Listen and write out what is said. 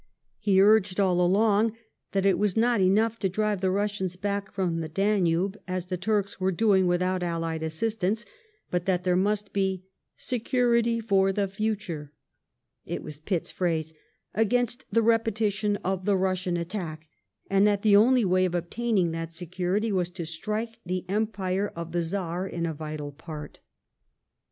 He urged all along that it was not enough to drive the Bussians back from the Danube, as the Turks were doing without allied assistance; but that there must be " security for the future "— it was Pittas phrase — against the repetition of the Russian attack, and that the only way of obtaining that security was to strike the Empire of the Czar in. a vital part.